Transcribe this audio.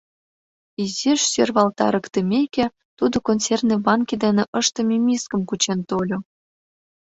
Изиш сӧрвалтарыктымеке, тудо консервный банке дене ыштыме мискым кучен тольо.